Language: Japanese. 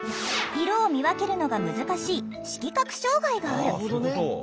色を見分けるのが難しい色覚障害がある。